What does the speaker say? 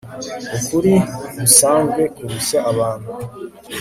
ukuri gusanzwe kurushya abantu